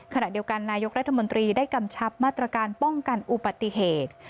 ขณะเดียวกันนายกรัฐมนตรีได้กำชับมาตรการป้องกันอุบัติเหตุ